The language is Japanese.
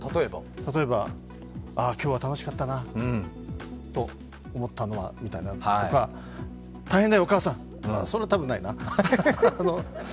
例えば、ああ今日は楽しかったなと思ったのはみたいなのとか、大変だよ、お母さんそれはたぶんないな。